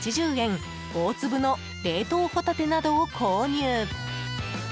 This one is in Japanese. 大粒の冷凍ホタテなどを購入。